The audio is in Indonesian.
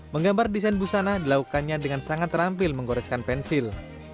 menggambar desain busana dilakukannya dengan sangat terampil menggoreskan pensil